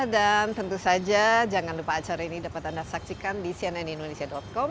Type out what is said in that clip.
dan tentu saja jangan lupa acara ini dapat anda saksikan di cnnindonesia com